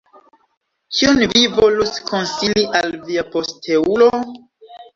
Kion vi volus konsili al via posteulo?